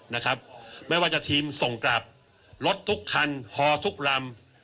นะครับไม่ว่าจะทีมส่งกลับรถทุกคันฮอทุกลำ